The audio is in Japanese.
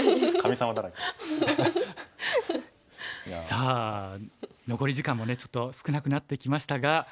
さあ残り時間もねちょっと少なくなってきましたが